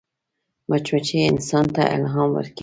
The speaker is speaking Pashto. مچمچۍ انسان ته الهام ورکوي